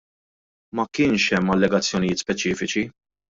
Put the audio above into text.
Ma kienx hemm allegazzjonijiet speċifiċi.